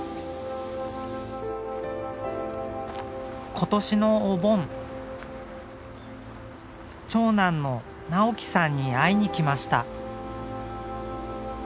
今年のお盆長男の直紀さんに会いに来ました。